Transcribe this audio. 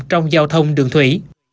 trong giao thông đường thủy